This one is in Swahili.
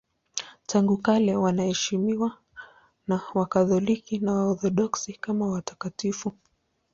Tangu kale wanaheshimiwa na Wakatoliki na Waorthodoksi kama watakatifu.